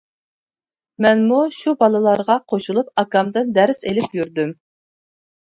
مەنمۇ شۇ بالىلارغا قوشۇلۇپ ئاكامدىن دەرس ئېلىپ يۈردۈم.